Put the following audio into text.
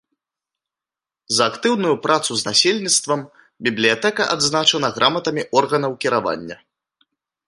За актыўную працу з насельніцтвам бібліятэка адзначана граматамі органаў кіравання.